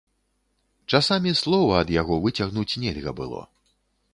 Часамі слова ад яго выцягнуць нельга было.